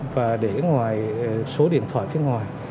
và để ngoài số điện thoại phía ngoài